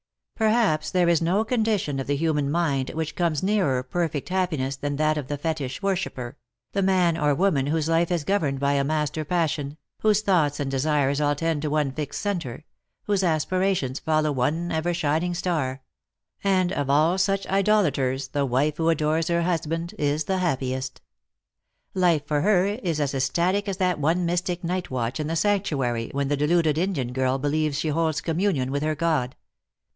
Perhaps there is no con dition of the human mind which comes nearer perfect happiness 366 Lost for Love. than that of the fetish worshipper — the man or woman whose life is governed by a master passion, whose thoughts and de sires all tend to one fixed centre, whose aspirations follow one ever shining star — and of all such idolaters the wife who adores her husband is the happiest. Life for her is as ecstatic as that one mystic night watch in the sanctuary when the deluded Indian girl believes she holds communion with her god.